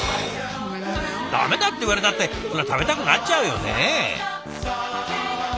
駄目だって言われたってそりゃ食べたくなっちゃうよね。